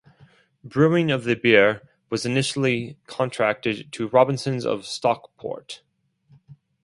Brewing of the beer was initially contracted to Robinson's of Stockport.